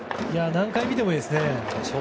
何回見てもいいですね。